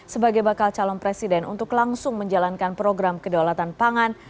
sebagai bakal calon presiden untuk langsung menjalankan program kedaulatan pangan